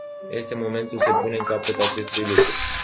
Este momentul să punem capăt acestui lucru.